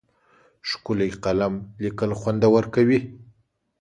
ښکلی قلم لیکل خوندور کوي.